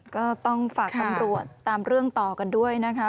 ก็ต้องฝากตำรวจตามเรื่องต่อกันด้วยนะคะ